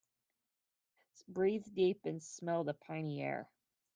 Breathe deep and smell the piny air.